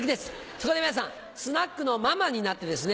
そこで皆さんスナックのママになってですね